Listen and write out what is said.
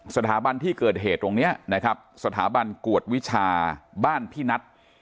สถาบันที่เกิดเหตุตรงนี้นะครับสถาบันกวดวิชาบ้านพี่นัท